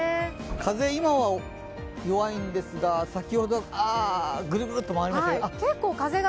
風、今は弱いんですが、先ほど、ぐるぐるっと回りましたが。